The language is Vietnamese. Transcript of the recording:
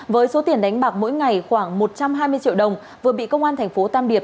với số tiền đánh bạc mỗi ngày khoảng một trăm hai mươi triệu đồng vừa bị công an thành phố tam điệp